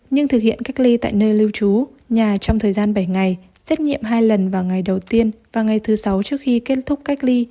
nhưng thực hiện cách ly tại nơi lưu trú nhà trong thời gian bảy ngày xét nghiệm hai lần vào ngày đầu tiên và ngày thứ sáu trước khi kết thúc cách ly